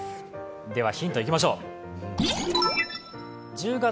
ではヒントいきましょう。